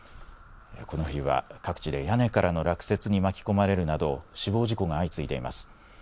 この冬は各地で屋根からの落雪に巻き込まれるなど死亡事故が相次いでいます。